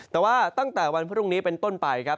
แต่ว่าตั้งแต่วันพรุ่งนี้เป็นต้นไปครับ